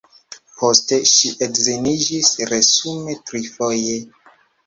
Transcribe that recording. Poste ŝi edziniĝis, resume trifoje.